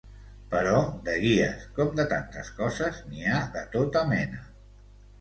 Però de guies, com de tantes coses, n’hi ha de tota mena.